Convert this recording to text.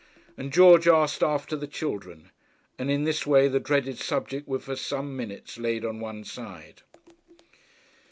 And George asked after the children, and in this way the dreaded subject was for some minutes laid on one side.